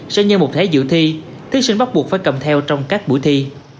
sẽ như một thế giữ thi thiết sinh bắt buộc phải cầm theo trong các buổi thi